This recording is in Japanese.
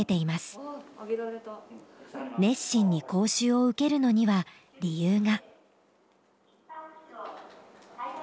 熱心に講習を受けるのには理由が。